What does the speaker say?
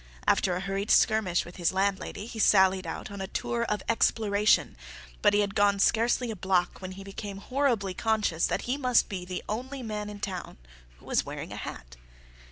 After a hurried skirmish with his landlady he sallied out on a tour of exploration, but he had gone scarcely a block when he became horribly conscious that he must be the only man in town who was wearing a hat.